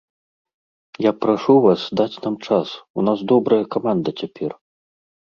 Я прашу вас даць нам час, у нас добрая каманда цяпер.